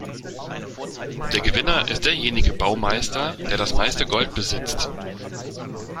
Der Gewinner ist derjenige Baumeister, der das meiste Gold besitzt.